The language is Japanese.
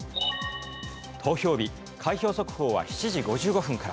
投票日、開票速報は７時５５分から。